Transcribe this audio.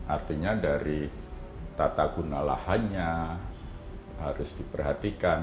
artinya dari tata gunalahannya harus diperhatikan